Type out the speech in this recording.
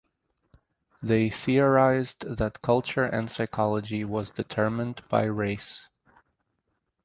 They theorized that culture and psychology was determined by race.